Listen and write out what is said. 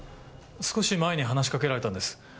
少し前に話し掛けられたんです。